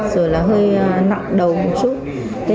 rồi là hơi nặng đầu một chút